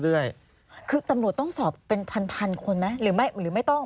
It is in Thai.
เรื่อยคือตำรวจต้องสอบเป็นพันพันคนไหมหรือไม่หรือไม่ต้อง